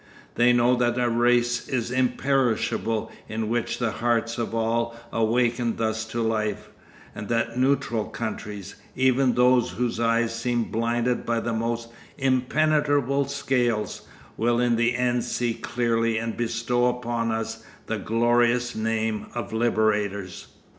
They know that a race is imperishable in which the hearts of all awaken thus to life, and that Neutral Countries, even those whose eyes seem blinded by the most impenetrable scales, will in the end see clearly and bestow upon us the glorious name of liberators.